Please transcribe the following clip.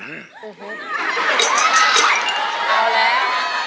เอาแล้ว